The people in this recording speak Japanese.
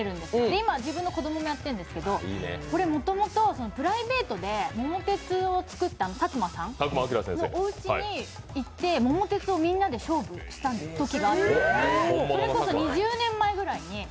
今、自分の子供もやってるんですけどこれ、もともとプライベートで「桃鉄」を作ったさくまさんの家で「桃鉄」をみんなで勝負したときがあって、それこそ２０年間ぐらいに。